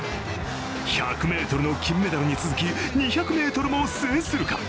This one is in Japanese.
１００ｍの金メダルに続き２００ｍも制するか。